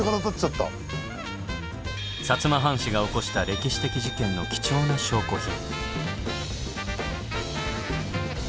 摩藩士が起こした歴史的事件の貴重な証拠品。